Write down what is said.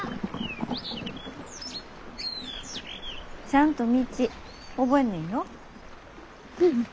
ちゃんと道覚えんねんよ。